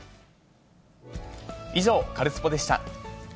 以上、カルスポっ！でした。